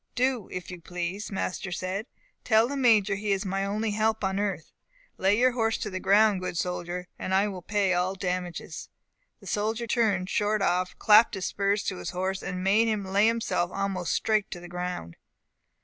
'Do, if you please,' master said. 'Tell the Major he is my only help on earth. Lay your horse to the ground, good soldier, I will pay all damages.' The soldier turned short off, clapped his spurs to his horse, and made him lay himself almost straight to the ground.